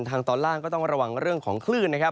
ตอนล่างก็ต้องระวังเรื่องของคลื่นนะครับ